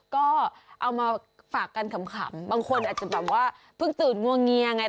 ก็เอามาฝากกันขำบางคนอาจจะแบบว่าเพิ่งตื่นงวงเงียไง